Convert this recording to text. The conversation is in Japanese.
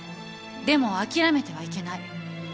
でも諦めてはいけない